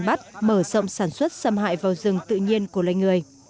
bắt mở rộng sản xuất xâm hại vào rừng tự nhiên của loài người